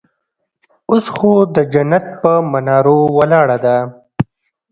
اوس خو د جنت پهٔ منارو ولاړه ده